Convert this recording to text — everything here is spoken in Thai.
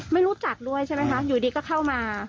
ไม่รู้จักด้วยใช่ไหมคะอยู่ดีก็เข้ามา